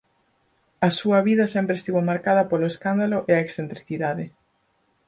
A súa vida sempre estivo marcada polo escándalo e a excentricidade.